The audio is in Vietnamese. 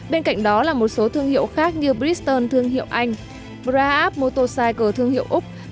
bên cạnh đó là một số thương hiệu khác như bristol thương hiệu anh braapp motorcycle thương hiệu úc